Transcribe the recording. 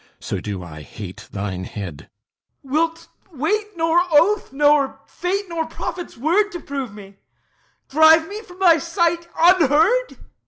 So do I hate thine head. HIPPOLYTUS Wilt weigh nor oath nor faith nor prophet's word To prove me? Drive me from thy sight unheard?